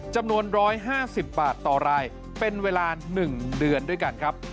จำนวน๑๕๐บาทต่อรายเป็นเวลา๑เดือนด้วยกันครับ